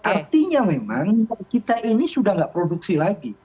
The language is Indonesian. artinya memang kita ini sudah tidak produksi lagi